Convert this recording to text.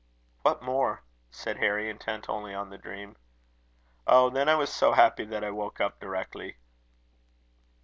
"What more?" said Harry, intent only on the dream. "Oh! then I was so happy, that I woke up directly."